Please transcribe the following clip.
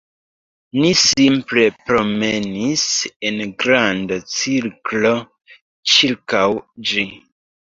Ni simple promenis en granda cirklo ĉirkaŭ ĝi